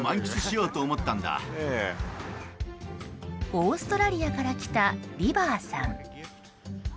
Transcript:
オーストラリアから来たリバーさん。